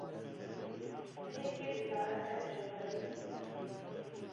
Hinek jê dikarin herin ji xwe re mêst bînin.